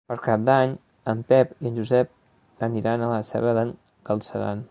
Per Cap d'Any en Pep i en Josep aniran a la Serra d'en Galceran.